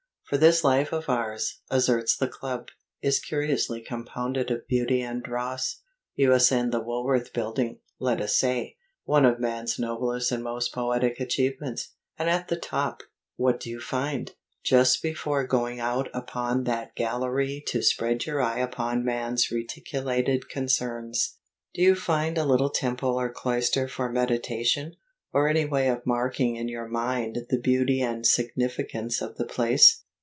For this life of ours (asserts the Club) is curiously compounded of Beauty and Dross. You ascend the Woolworth Building, let us say one of man's noblest and most poetic achievements. And at the top, what do you find, just before going out upon that gallery to spread your eye upon man's reticulated concerns? Do you find a little temple or cloister for meditation, or any way of marking in your mind the beauty and significance of the place?